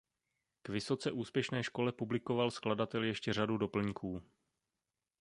K vysoce úspěšné škole publikoval skladatel ještě řadu doplňků.